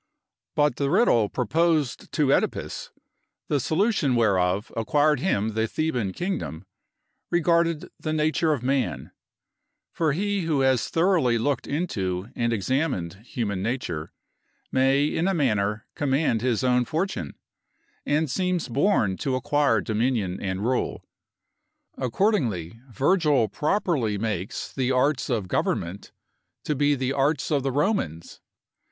But the riddle proposed to Œdipus, the solution whereof acquired him the Theban kingdom, regarded the nature of man; for he who has thoroughly looked into and examined human nature, may in a manner command his own fortune, and seems born to acquire dominion and rule. Accordingly, Virgil properly makes the arts of government to be the arts of the Romans.